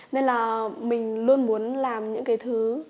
nên là mình luôn muốn làm những cái thứ